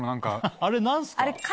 あれ何すか？